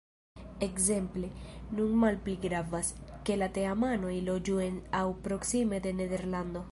Ekzemple nun malpli gravas, ke la teamanoj loĝu en aŭ proksime de Nederlando.